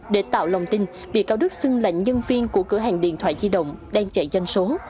để tạo lòng tin bị cáo đức xưng lệnh nhân viên của cửa hàng điện thoại di động đang chạy doanh số